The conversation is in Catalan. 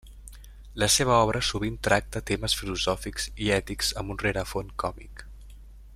La seva obra sovint tracta temes filosòfics i ètics amb un rerefons còmic.